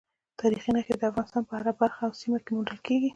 تاریخي نښې د افغانستان په هره برخه او هره سیمه کې موندل کېږي.